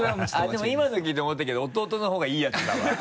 でも今の聞いて思ったけど弟の方がいいやつだわ。